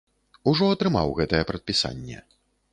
Ужо атрымаў гэтае прадпісанне.